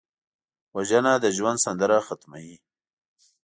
وژنه د ژوند سندره ختموي